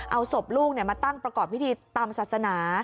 เอาศพลูกมาตั้งประกอบพิธีตามศาสนา